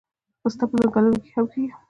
پسته په ځنګلونو کې هم کیږي